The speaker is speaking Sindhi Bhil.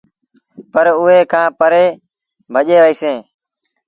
پر اُئي کآݩ پري ڀڄي وهيٚسينٚ